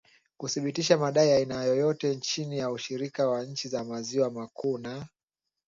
kuthibitisha madai ya aina yoyote chini ya ushirika wa nchi za maziwa makuu na